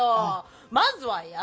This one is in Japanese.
まずはやる！